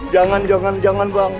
jangan jangan jangan bang